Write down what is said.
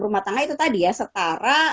rumah tangga itu tadi ya setara